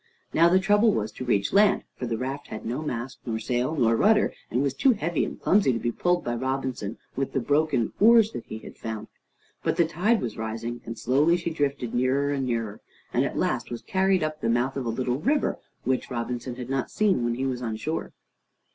Now the trouble was to reach land, for the raft had no mast nor sail nor rudder, and was too heavy and clumsy to be pulled by Robinson with the broken oars that he had found. But the tide was rising, and slowly she drifted nearer and nearer, and at last was carried up the mouth of a little river which Robinson had not seen when he was on shore.